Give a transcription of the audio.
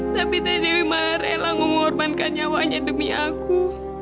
tapi teh dewi mah rela ngumurbankan nyawanya demi aku